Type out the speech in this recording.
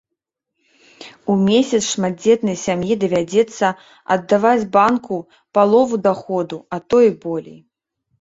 У месяц шматдзетнай сям'і давядзецца аддаваць банку палову даходу, а то і болей.